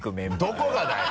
どこがだよ！